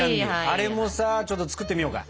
あれもさちょっと作ってみようか！